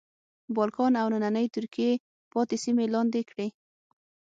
بالکان او نننۍ ترکیې پاتې سیمې لاندې کړې.